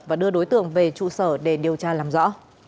và đưa đối tượng về trụ sở để điều tra làm rõ